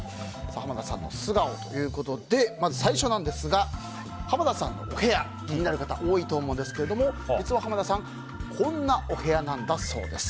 濱田さんの素顔ということでまず最初ですが濱田さんのお部屋気になる方多いと思いますが実は濱田さんこんなお部屋なんだそうです。